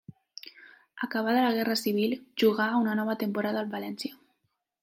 Acabada la Guerra Civil jugà una nova temporada al València.